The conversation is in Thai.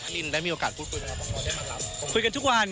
พี่มีโอกาสพูดกันแล้วพอได้มากับ